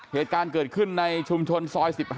เหตุการณ์เกิดขึ้นในชุมชนซอย๑๕